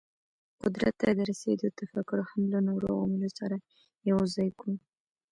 قدرت ته د رسېدو تفکر هم له نورو عواملو سره یو ځای کړو.